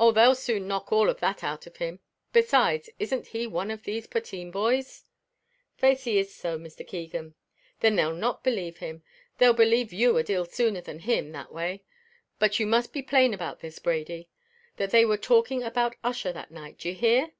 "Oh, they'd soon knock all that out of him; besides, isn't he one of these potheen boys?" "Faix he is so, Mr. Keegan." "Then they'll not believe him they'll believe you a deal sooner than him that way; but you must be plain about this, Brady, that they were talking about Ussher that night d'ye hear?